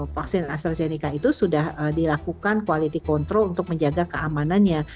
vaksin astrazeneca itu sudah dilakukan quality control untuk menjaga keamanannya